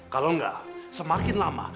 kalau enggak semakin lama